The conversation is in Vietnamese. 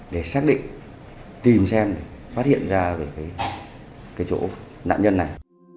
để xác định tìm xem phát hiện ra về cái chỗ nạn nhân này